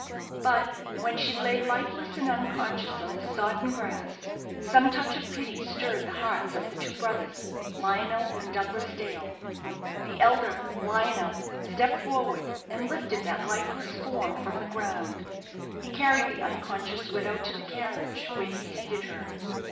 But when she lay lifeless and unconscious on the sodden grass, some touch of pity stirred the hearts of the two brothers, Lionel and Douglas Dale. The elder, Lionel, stepped forward, and lifted that lifeless form from the ground. He carried the unconscious widow to the carriage, where he seated her.